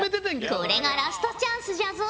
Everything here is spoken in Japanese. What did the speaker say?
これがラストチャンスじゃぞ。